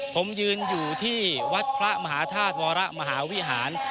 ผมยืนอยู่ที่วัดพระมหาธาตุวรมหาวิหาร